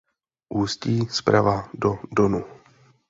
Ústí zprava do Donu.